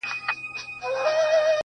چوروندک ځالګۍ نه سوه پرېښودلای،